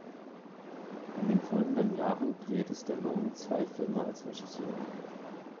In den folgenden Jahren drehte Stallone zwei Filme als Regisseur.